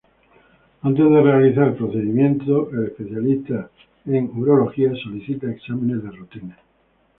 Antes de realizar el procedimiento, el especialista en urología solicita exámenes de rutina.